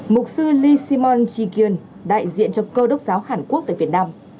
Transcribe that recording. mục sư lee si mon chi kyun đại diện cho cơ đốc giáo hàn quốc tại việt nam